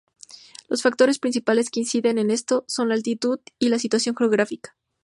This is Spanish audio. Los factores principales que inciden en esto son la altitud y la situación geográfica.